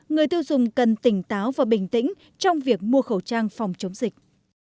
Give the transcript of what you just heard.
người tiêu dùng cần tỉnh táo và bình tĩnh trong việc mua khẩu trang phòng chống dịch